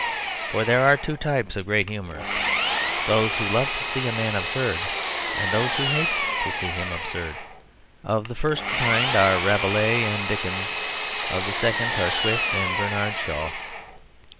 For there are two types of great humorist: those who love to see a man absurd and those who hate to see him absurd. Of the first kind are Rabelais and Dickens; of the second kind are Swift and Bernard Shaw.